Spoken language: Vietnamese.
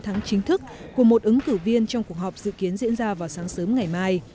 thắng chính thức của một ứng cử viên trong cuộc họp dự kiến diễn ra vào sáng sớm ngày mai